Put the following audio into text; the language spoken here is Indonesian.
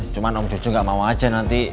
cuman om jojo gak mau aja nanti